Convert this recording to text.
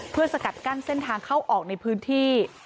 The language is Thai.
เพื่อสกัดกั้นเส้นทางเข้าออกในพื้นที่